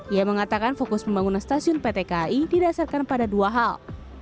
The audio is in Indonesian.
ia mengatakan fokus pembangunan stasiun pt kai didasarkan pada dua hal